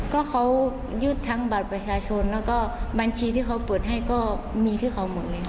ก็เขายึดทั้งบัตรประชาชนแล้วก็บัญชีที่เขาเปิดให้ก็มีชื่อของหมดเลยค่ะ